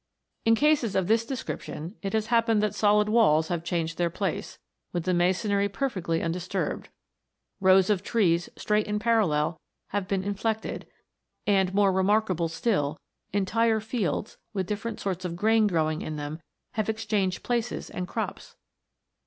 In cases of this description it has happened that solid walls have changed their place, with the masonry perfectly undisturbed ; rows of trees straight and parallel have been inflected ; and, more remarkable still, entire fields, with different sorts of grain growing in them, have exchanged places and crops